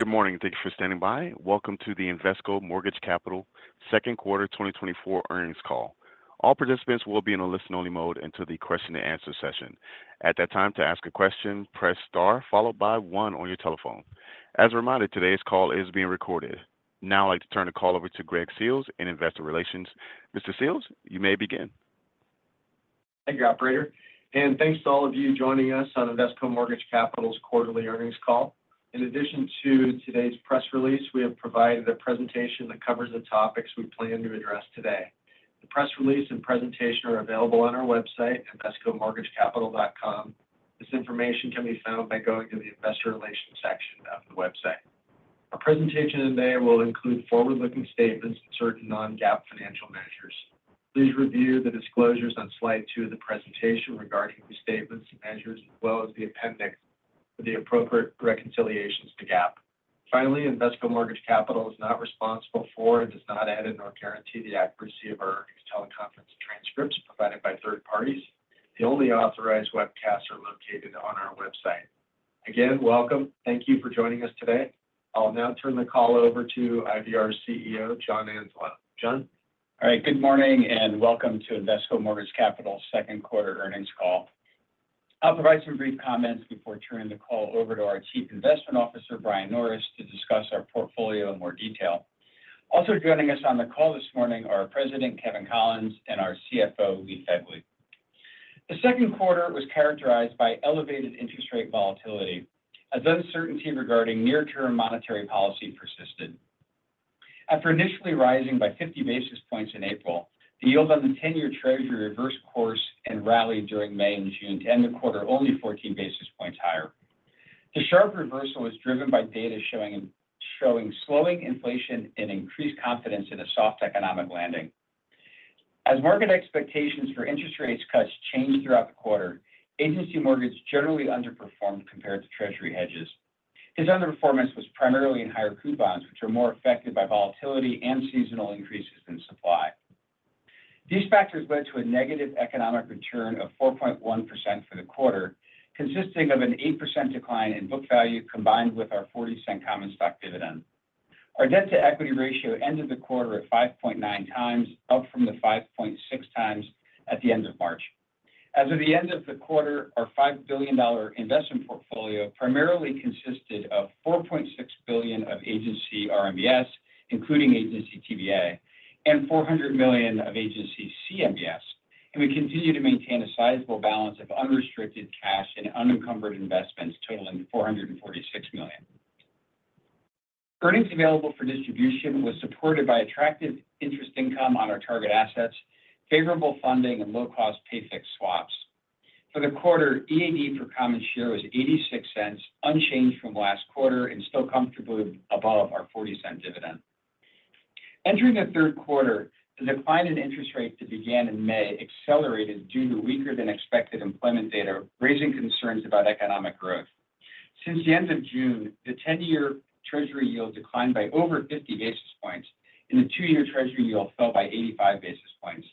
Good morning, and thank you for standing by. Welcome to the Invesco Mortgage Capital second quarter 2024 earnings call. All participants will be in a listen-only mode until the question and answer session. At that time, to ask a question, press star followed by one on your telephone. As a reminder, today's call is being recorded. Now, I'd like to turn the call over to Greg Seals in Investor Relations. Mr. Seals, you may begin. Thank you, operator, and thanks to all of you joining us on Invesco Mortgage Capital's quarterly earnings call. In addition to today's press release, we have provided a presentation that covers the topics we plan to address today. The press release and presentation are available on our website, invescomortgagecapital.com. This information can be found by going to the investor relations section of the website. Our presentation today will include forward-looking statements and certain non-GAAP financial measures. Please review the disclosures on slide two of the presentation regarding these statements and measures, as well as the appendix for the appropriate reconciliations to GAAP. Finally, Invesco Mortgage Capital is not responsible for and does not edit nor guarantee the accuracy of our earnings teleconference transcripts provided by third parties. The only authorized webcasts are located on our website. Again, welcome. Thank you for joining us today. I'll now turn the call over to IVR's CEO, John Anzalone. John? All right, good morning, and welcome to Invesco Mortgage Capital second quarter earnings call. I'll provide some brief comments before turning the call over to our Chief Investment Officer, Brian Norris, to discuss our portfolio in more detail. Also joining us on the call this morning are President Kevin Collins and our CFO, Lee Phegley. The second quarter was characterized by elevated interest rate volatility as uncertainty regarding near-term monetary policy persisted. After initially rising by 50 basis points in April, the yield on the 10-year treasury reversed course and rallied during May and June to end the quarter only 14 basis points higher. The sharp reversal was driven by data showing slowing inflation and increased confidence in a soft economic landing. As market expectations for interest rates cuts changed throughout the quarter, agency mortgage generally underperformed compared to treasury hedges. This underperformance was primarily in higher coupons, which are more affected by volatility and seasonal increases in supply. These factors led to a negative economic return of 4.1% for the quarter, consisting of an 8% decline in book value, combined with our $0.40 common stock dividend. Our debt-to-equity ratio ended the quarter at 5.9x, up from the 5.6x at the end of March. As of the end of the quarter, our $5 billion investment portfolio primarily consisted of $4.6 billion of Agency RMBS, including Agency TBA, and $400 million of Agency CMBS, and we continue to maintain a sizable balance of unrestricted cash and unencumbered investments totaling $446 million. Earnings available for distribution was supported by attractive interest income on our target assets, favorable funding and low-cost pay-fixed swaps. For the quarter, EAD per common share was $0.86, unchanged from last quarter and still comfortably above our $0.40 dividend. Entering the third quarter, the decline in interest rates that began in May accelerated due to weaker than expected employment data, raising concerns about economic growth. Since the end of June, the 10-year Treasury yield declined by over 50 basis points, and the two-year Treasury yield fell by 85 basis points.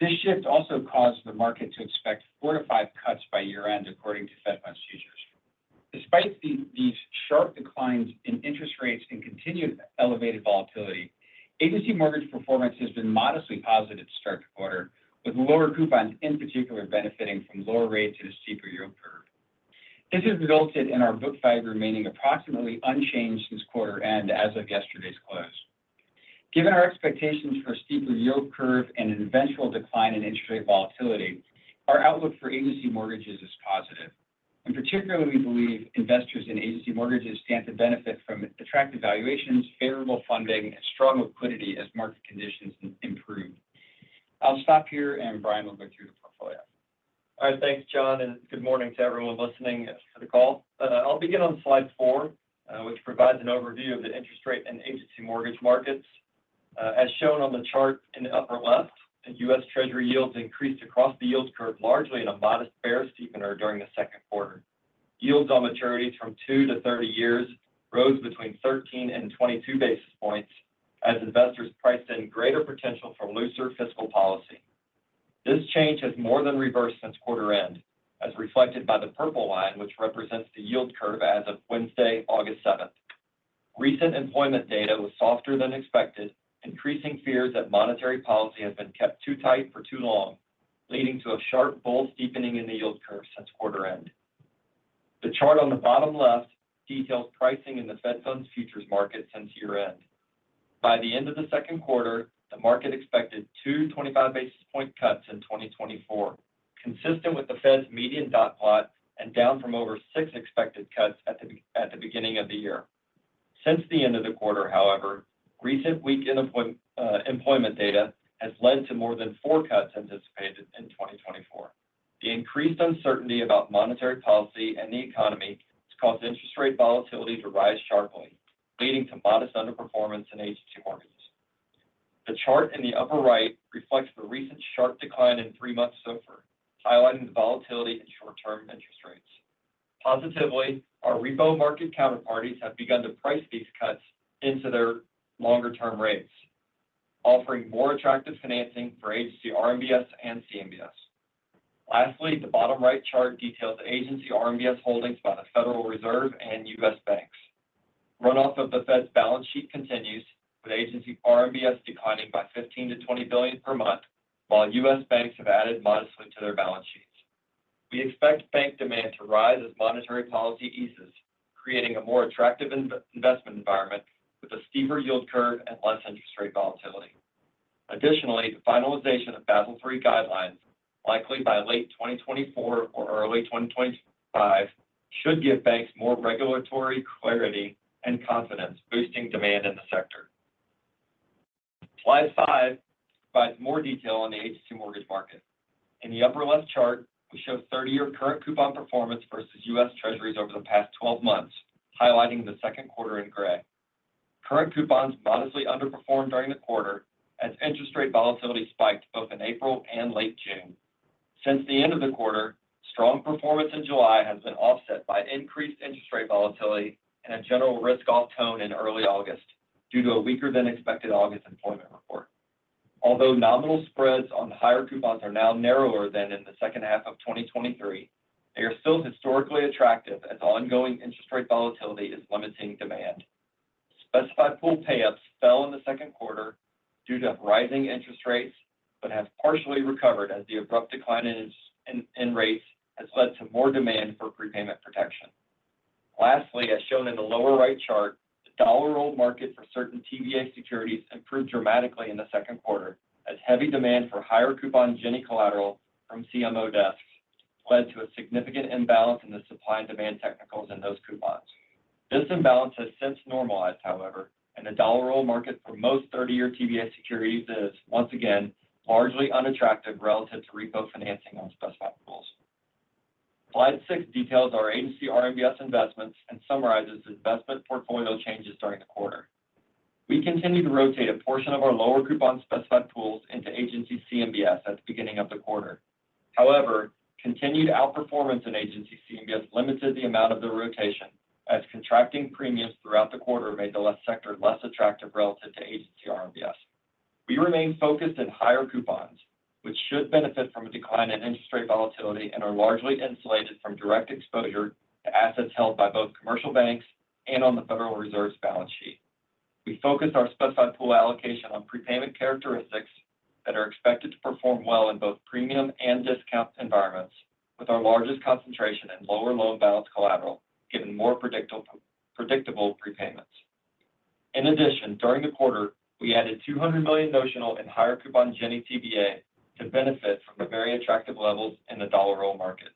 This shift also caused the market to expect four to five cuts by year-end, according to Fed Funds Futures. Despite these sharp declines in interest rates and continued elevated volatility, agency mortgage performance has been modestly positive to start the quarter, with lower coupons in particular benefiting from lower rates and a steeper yield curve. This has resulted in our book value remaining approximately unchanged since quarter end as of yesterday's close. Given our expectations for a steeper yield curve and an eventual decline in interest rate volatility, our outlook for agency mortgages is positive. In particular, we believe investors in agency mortgages stand to benefit from attractive valuations, favorable funding, and strong liquidity as market conditions improve. I'll stop here, and Brian will go through the portfolio. All right, thanks, John, and good morning to everyone listening to the call. I'll begin on slide four, which provides an overview of the interest rate and agency mortgage markets. As shown on the chart in the upper left, the U.S. Treasury yields increased across the yield curve, largely in a modest bear steepener during the second quarter. Yields on maturities from two to 30 years rose between 13 and 22 basis points as investors priced in greater potential for looser fiscal policy. This change has more than reversed since quarter end, as reflected by the purple line, which represents the yield curve as of Wednesday, August 7. Recent employment data was softer than expected, increasing fears that monetary policy has been kept too tight for too long, leading to a sharp, bull steepening in the yield curve since quarter end. The chart on the bottom left details pricing in the Fed Funds futures market since year-end. By the end of the second quarter, the market expected two 25 basis point cuts in 2024, consistent with the Fed's median Dot Plot and down from over six expected cuts at the beginning of the year. Since the end of the quarter, however, recent weak employment data has led to more than four cuts anticipated in 2024. The increased uncertainty about monetary policy and the economy has caused interest rate volatility to rise sharply, leading to modest underperformance in Agency mortgages. The chart in the upper right reflects the recent sharp decline in three-month SOFR, highlighting the volatility in short-term interest rates. Positively, our repo market counterparties have begun to price these cuts into their longer-term rates, offering more attractive financing for Agency RMBS and CMBS. Lastly, the bottom right chart details agency RMBS holdings by the Federal Reserve and U.S. banks. Runoff of the Fed's balance sheet continues, with agency RMBS declining by $15 billion-$20 billion per month, while U.S. banks have added modestly to their balance sheets. We expect bank demand to rise as monetary policy eases, creating a more attractive investment environment with a steeper yield curve and less interest rate volatility. Additionally, the finalization of Basel III guidelines, likely by late 2024 or early 2025, should give banks more regulatory clarity and confidence, boosting demand in the sector. slide five provides more detail on the agency mortgage market. In the upper left chart, we show 30-year current coupon performance versus U.S. Treasuries over the past 12 months, highlighting the second quarter in gray. Current coupons modestly underperformed during the quarter as interest rate volatility spiked both in April and late June. Since the end of the quarter, strong performance in July has been offset by increased interest rate volatility and a general risk-off tone in early August due to a weaker than expected August employment report. Although nominal spreads on higher coupons are now narrower than in the second half of 2023, they are still historically attractive as ongoing interest rate volatility is limiting demand. Specified pool payups fell in the second quarter due to rising interest rates, but have partially recovered as the abrupt decline in rates has led to more demand for prepayment protection. Lastly, as shown in the lower right chart, the dollar roll market for certain TBA securities improved dramatically in the second quarter, as heavy demand for higher coupon Ginnie collateral from CMO desks led to a significant imbalance in the supply and demand technicals in those coupons. This imbalance has since normalized, however, and the dollar roll market for most 30-year TBA securities is once again largely unattractive relative to repo financing on specified pools. Slide six details our agency RMBS investments and summarizes investment portfolio changes during the quarter. We continued to rotate a portion of our lower coupon specified pools into agency CMBS at the beginning of the quarter. However, continued outperformance in agency CMBS limited the amount of the rotation, as contracting premiums throughout the quarter made the legacy sector less attractive relative to agency RMBS. We remain focused in higher coupons, which should benefit from a decline in interest rate volatility and are largely insulated from direct exposure to assets held by both commercial banks and on the Federal Reserve's balance sheet. We focused our specified pool allocation on prepayment characteristics that are expected to perform well in both premium and discount environments, with our largest concentration in lower loan balance collateral, given more predictable prepayments. In addition, during the quarter, we added $200 million notional in higher coupon Ginnie TBA to benefit from the very attractive levels in the dollar roll market.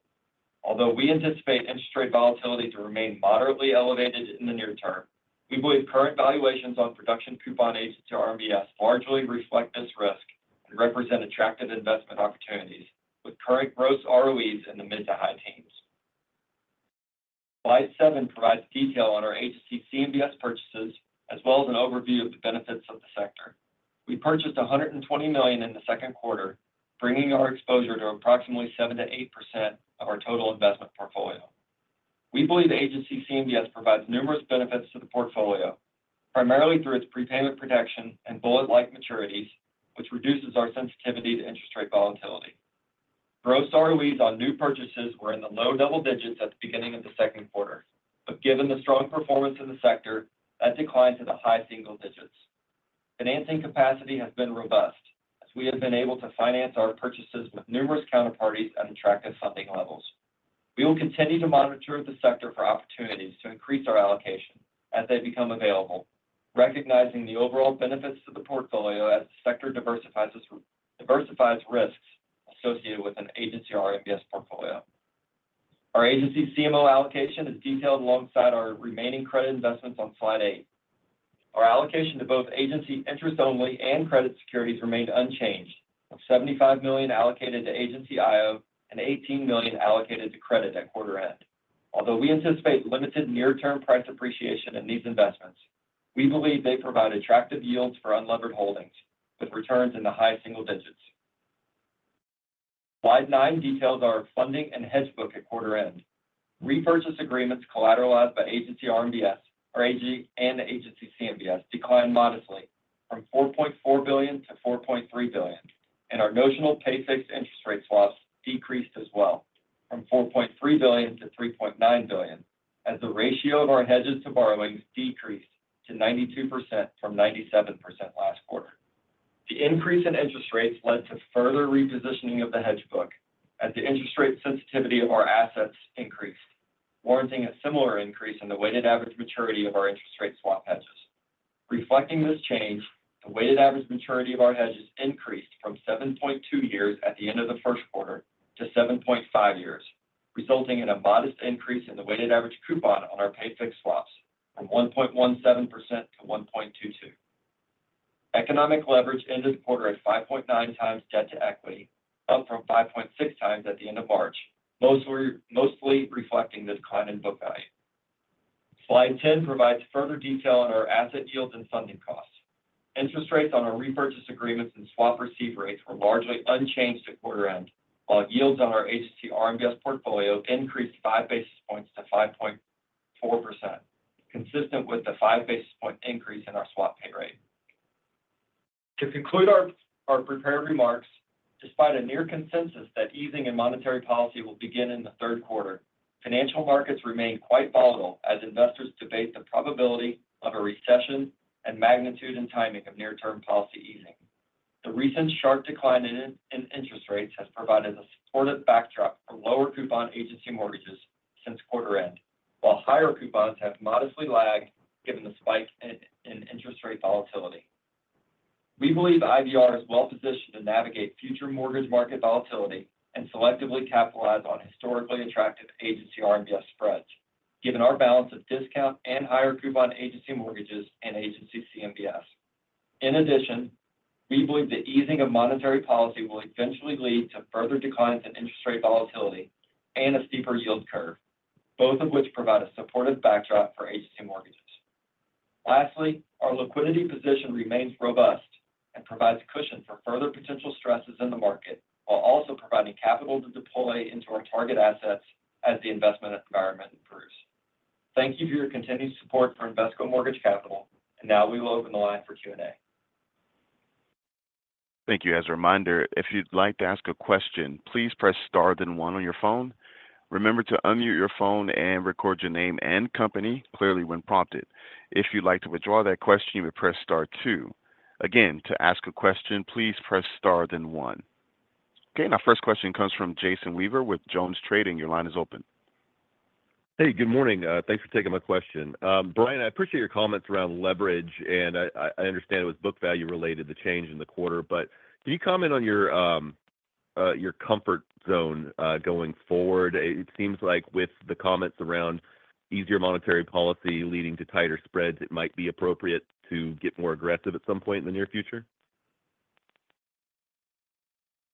Although we anticipate interest rate volatility to remain moderately elevated in the near term, we believe current valuations on production coupon agency RMBS largely reflect this risk and represent attractive investment opportunities, with current gross ROEs in the mid to high teens. Slide seven provides detail on our Agency CMBS purchases, as well as an overview of the benefits of the sector. We purchased $120 million in the second quarter, bringing our exposure to approximately 7%-8% of our total investment portfolio. We believe Agency CMBS provides numerous benefits to the portfolio, primarily through its prepayment protection and bullet-like maturities, which reduces our sensitivity to interest rate volatility. Gross ROEs on new purchases were in the low double digits at the beginning of the second quarter, but given the strong performance in the sector, that declined to the high single digits. Financing capacity has been robust, as we have been able to finance our purchases with numerous counterparties at attractive funding levels. We will continue to monitor the sector for opportunities to increase our allocation as they become available, recognizing the overall benefits to the portfolio as the sector diversifies risks associated with an Agency RMBS portfolio. Our Agency CMO allocation is detailed alongside our remaining credit investments on slide eight. Our allocation to both Agency interest only and credit securities remained unchanged, with $75 million allocated to Agency IO and $18 million allocated to credit at quarter end. Although we anticipate limited near-term price appreciation in these investments, we believe they provide attractive yields for unlevered holdings, with returns in the high single digits. Slide nine details our funding and hedge book at quarter end. Repurchase agreements collateralized by agency RMBS, or AG and agency CMBS, declined modestly from $4.4 billion to $4.3 billion, and our notional pay fixed interest rate swaps decreased as well from $4.3 billion to $3.9 billion, as the ratio of our hedges to borrowings decreased to 92% from 97% last quarter. The increase in interest rates led to further repositioning of the hedge book, as the interest rate sensitivity of our assets increased, warranting a similar increase in the weighted average maturity of our interest rate swap hedges. Reflecting this change, the weighted average maturity of our hedges increased from 7.2 years at the end of the first quarter to 7.5 years, resulting in a modest increase in the weighted average coupon on our pay-fixed swaps from 1.17% to 1.22%. Economic leverage ended the quarter at 5.9x debt to equity, up from 5.6x at the end of March, mostly reflecting the decline in book value. Slide 10 provides further detail on our asset yields and funding costs. Interest rates on our repurchase agreements and swap receive rates were largely unchanged at quarter end, while yields on our Agency RMBS portfolio increased five basis points to 5.4%, consistent with the five basis point increase in our swap pay rate. To conclude our prepared remarks, despite a near consensus that easing in monetary policy will begin in the third quarter, financial markets remain quite volatile as investors debate the probability of a recession and magnitude and timing of near-term policy easing. The recent sharp decline in interest rates has provided a supportive backdrop for lower coupon agency mortgages since quarter end, while higher coupons have modestly lagged given the spike in interest rate volatility. We believe IVR is well positioned to navigate future mortgage market volatility and selectively capitalize on historically attractive agency RMBS spreads, given our balance of discount and higher coupon agency mortgages and agency CMBS. In addition, we believe the easing of monetary policy will eventually lead to further declines in interest rate volatility and a steeper yield curve, both of which provide a supportive backdrop for agency mortgages. Lastly, our liquidity position remains robust and provides cushion for further potential stresses in the market, while also providing capital to deploy into our target assets as the investment environment improves. Thank you for your continued support for Invesco Mortgage Capital, and now we will open the line for Q&A. Thank you. As a reminder, if you'd like to ask a question, please press star then one on your phone. Remember to unmute your phone and record your name and company clearly when prompted. If you'd like to withdraw that question, you may press star two. Again, to ask a question, please press star, then one. Okay, our first question comes from Jason Weaver with JonesTrading. Your line is open. Hey, good morning. Thanks for taking my question. Brian, I appreciate your comments around leverage, and I understand it was book value related, the change in the quarter. But can you comment on your comfort zone going forward? It seems like with the comments around easier monetary policy leading to tighter spreads, it might be appropriate to get more aggressive at some point in the near future.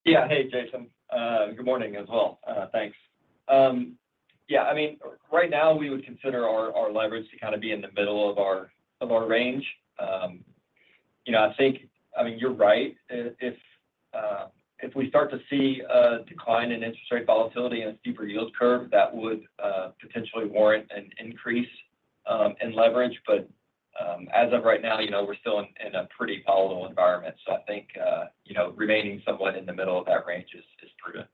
Yeah. Hey, Jason. Good morning as well. Thanks. Yeah, I mean, right now, we would consider our leverage to kind of be in the middle of our range. You know, I think, I mean, you're right. If we start to see a decline in interest rate volatility and a steeper yield curve, that would potentially warrant an increase in leverage. But as of right now, you know, we're still in a pretty volatile environment. So I think you know, remaining somewhat in the middle of that range is prudent.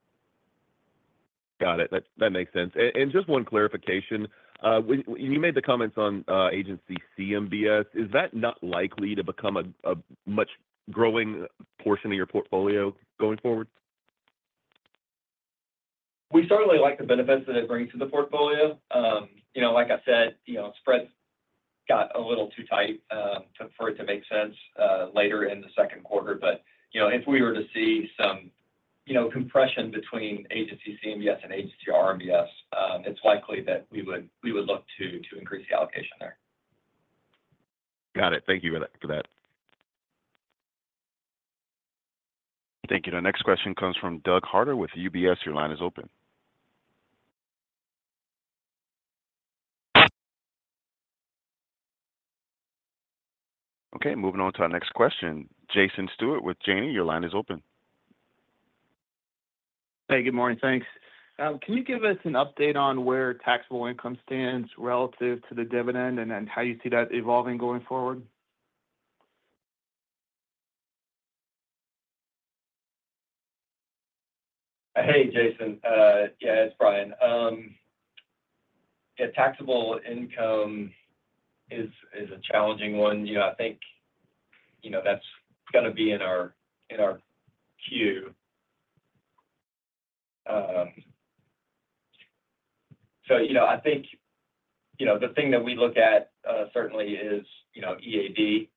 Got it. That makes sense. And just one clarification, when you made the comments on Agency CMBS, is that not likely to become a much growing portion of your portfolio going forward? We certainly like the benefits that it brings to the portfolio. You know, like I said, you know, spreads got a little too tight for it to make sense later in the second quarter. But, you know, if we were to see some, you know, compression between Agency CMBS and Agency RMBS, it's likely that we would look to increase the allocation there. Got it. Thank you for that, for that. Thank you. The next question comes from Doug Harter with UBS. Your line is open. Okay, moving on to our next question. Jason Stewart with Janney, your line is open. Hey, good morning. Thanks. Can you give us an update on where taxable income stands relative to the dividend, and then how you see that evolving going forward? Hey, Jason. Yeah, it's Brian. Yeah, taxable income is a challenging one. You know, I think, you know, that's going to be in our queue. So, you know, I think, you know, the thing that we look at, certainly is, you know, EAD,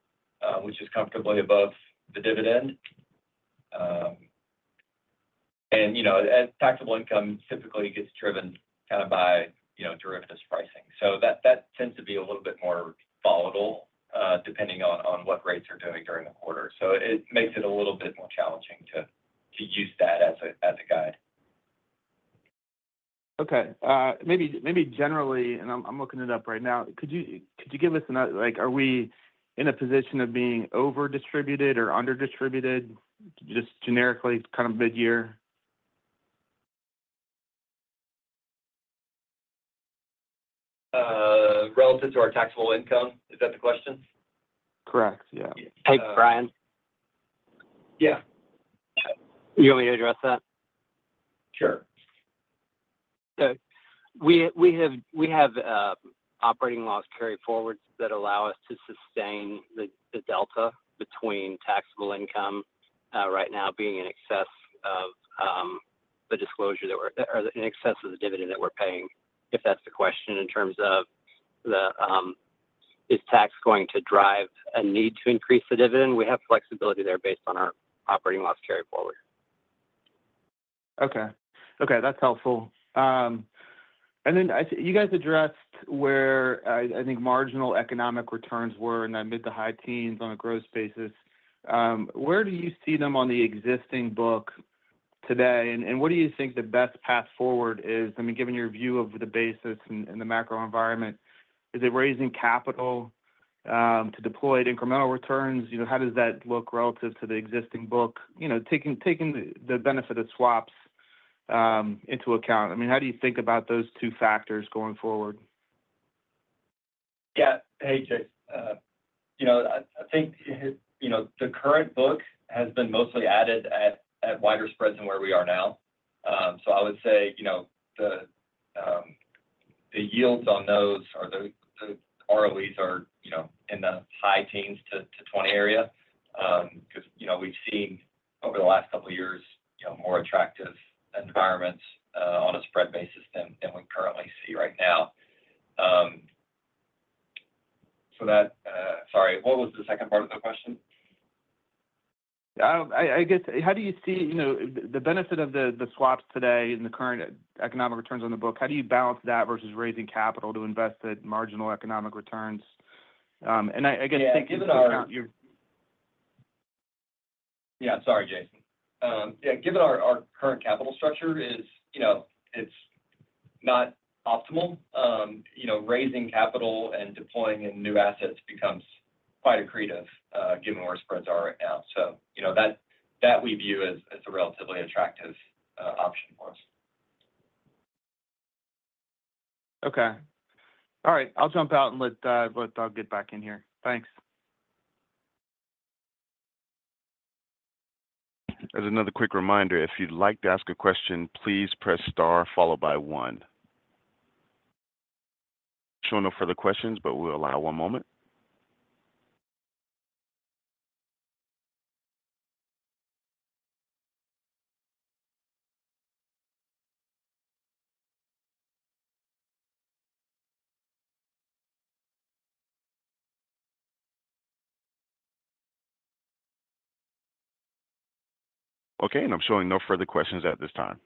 which is comfortably above the dividend. And, you know, as taxable income typically gets driven kind of by, you know, derivatives pricing. So that, that tends to be a little bit more volatile, depending on what rates are doing during the quarter. So it makes it a little bit more challenging to use that as a guide. Okay. Maybe generally, and I'm looking it up right now. Could you give us another—like, are we in a position of being over-distributed or under-distributed, just generically, kind of mid-year? Relative to our taxable income, is that the question? Correct. Yeah. Yeah. Hey, Brian? Yeah. You want me to address that? Sure. So we have operating loss carryforwards that allow us to sustain the delta between taxable income right now being in excess of the disclosure that we're or in excess of the dividend that we're paying, if that's the question. In terms of, is tax going to drive a need to increase the dividend? We have flexibility there based on our operating loss carryforward. Okay. Okay, that's helpful. And then I see you guys addressed where I think marginal economic returns were in the mid to high teens on a growth basis. Where do you see them on the existing book today, and what do you think the best path forward is, I mean, given your view of the basis and the macro environment? Is it raising capital to deploy at incremental returns? You know, how does that look relative to the existing book? You know, taking the benefit of swaps into account, I mean, how do you think about those two factors going forward? Yeah. Hey, Jason, you know, I think, you know, the current book has been mostly added at wider spreads than where we are now. So I would say, you know, the yields on those or the ROEs are, you know, in the high teens to 20 area. Because, you know, we've seen over the last couple of years, you know, more attractive environments on a spread basis than we currently see right now. So that, sorry, what was the second part of the question? I guess, how do you see, you know, the benefit of the swaps today and the current economic returns on the book? How do you balance that versus raising capital to invest at marginal economic returns? And I guess think about your. Yeah, sorry, Jason. Yeah, given our current capital structure, you know, it's not optimal. You know, raising capital and deploying in new assets becomes quite accretive, given where spreads are right now. So, you know, that we view as a relatively attractive option for us. Okay. All right. I'll jump out and let Doug get back in here. Thanks. As another quick reminder, if you'd like to ask a question, please press Star, followed by one. Showing no further questions, but we'll allow one moment. Okay, and I'm showing no further questions at this time.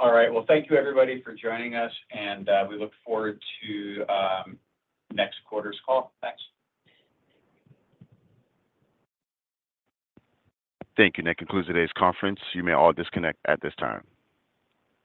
All right. Well, thank you, everybody, for joining us, and we look forward to next quarter's call. Thanks. Thank you. And that concludes today's conference. You may all disconnect at this time.